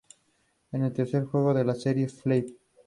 Es un pez de agua dulce tropical, bentopelágico.